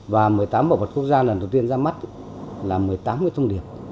và một mươi tám bảo vật quốc gia lần đầu tiên ra mắt là một mươi tám cái thông điệp